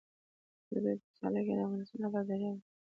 د دوی په سیالیو کې د افغانستان لپاره بریاوې ورځي.